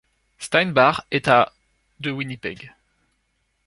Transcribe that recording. Steinbach est à de Winnipeg.